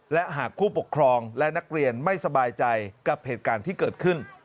และหากผู้ปกครองและนักเรียนไม่สบายใจกับเหตุการณ์ที่เกิดขึ้น